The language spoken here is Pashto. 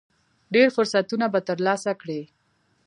ډېر فرصتونه به ترلاسه کړئ .